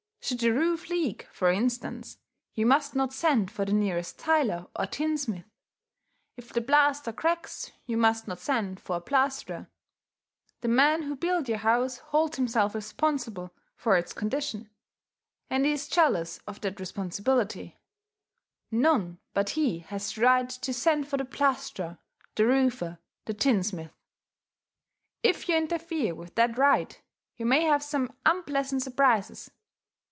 Should the roof leak, for instance, you must not send for the nearest tiler or tinsmith; if the plaster cracks, you must not send for a plasterer. The man who built your house holds himself responsible for its condition; and he is jealous of that responsibility: none but he has the right to send for the plasterer, the roofer, the tinsmith. If you interfere with that right, you may have some unpleasant surprises.